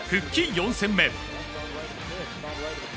４戦目。